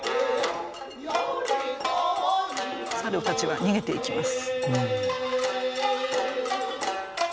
猿たちは逃げていきます。